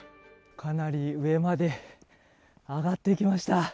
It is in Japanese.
かなり上まで上がってきました。